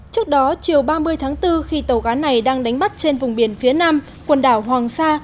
trước đó chiều ba mươi tháng bốn khi tàu cá này đang đánh bắt trên vùng biển phía nam quần đảo hoàng sa